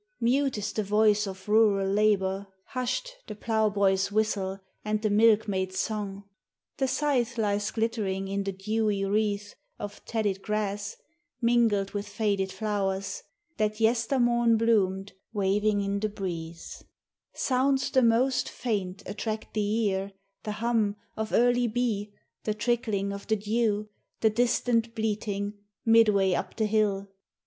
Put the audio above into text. Mute is the voice of rural labor, hushed The ploughboy's whistle and the milkmaid's song. The scythe lies glittering in the dewy wreath Of tedded grass, mingled with faded flowers, That yestermorn bloomed waving in the breeze; Sounds the most faint attract the ear, — the hum Of early bee, the trickling of the dew, Tin 1 distant bleating, midway up the hill.